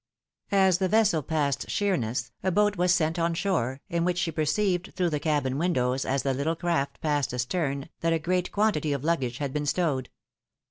As the vessel passed Sheerness, a boat was sent on shore, in which she perceived through the cabin windows as the little craft passed astern, that a great quantity of luggage had been stowed.